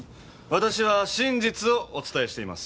私は真実をお伝えしています。